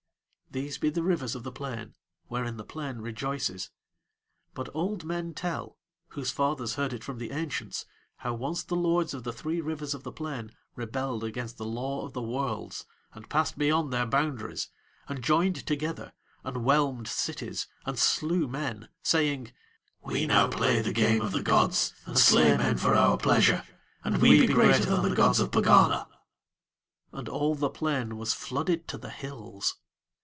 These be the rivers of the plain, wherein the plain rejoices. But old men tell, whose fathers heard it from the ancients, how once the lords of the three rivers of the plain rebelled against the law of the Worlds, and passed beyond their boundaries, and joined together and whelmed cities and slew men, saying: "We now play the game of the gods and slay men for our pleasure, and we be greater than the gods of Pegana." And all the plain was flooded to the hills.